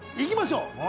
いきましょう。